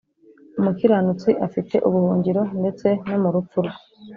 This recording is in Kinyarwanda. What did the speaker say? umukiranutsi afite ubuhungiro ndetse no mu rupfu rwe